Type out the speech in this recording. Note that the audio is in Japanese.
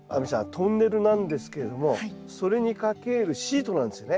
トンネルなんですけれどもそれにかけるシートなんですよね。